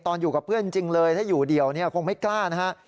ตอนอยู่กับเพื่อนจริงเลยถ้าอยู่เดียวคงไม่กล้านะครับ